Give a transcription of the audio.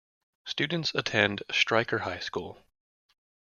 Students attend Stryker High School.